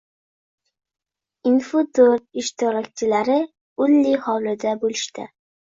Info-tur ishtirokchilari Ulli hovlida bo‘lishdi